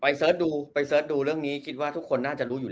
เสิร์ชดูไปเสิร์ชดูเรื่องนี้คิดว่าทุกคนน่าจะรู้อยู่